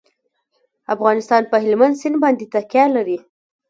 افغانستان په هلمند سیند باندې تکیه لري.